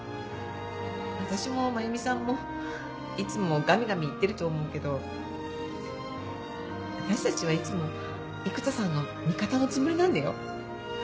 私も真由美さんもいつもがみがみ言ってると思うけど私たちはいつも育田さんの味方のつもりなんだよ。